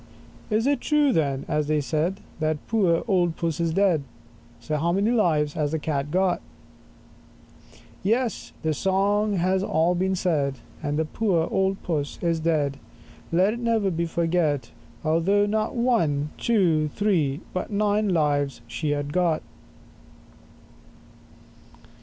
Is it true then, as they said, That poor old Puss is dead, So many lives as she'd got? 20 Yes, the song has all been said, And poor old Puss is dead, Let it never be forgot; Although not ONE, TWO, THREE, but NINE LIVES she had got.